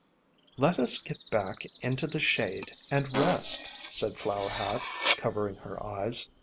"Let us get back into the shade and rest," said Flower Hat, covering her eyes.